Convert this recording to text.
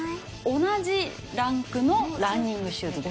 同じランクのランニングシューズです。